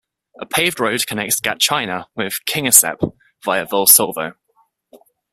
A paved road connects Gatchina with Kingisepp via Volosovo.